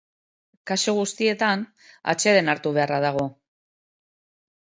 Kasu guztietan, atsedena hartu beharra dago.